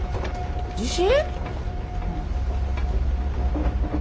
地震？